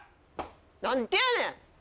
何でやねん！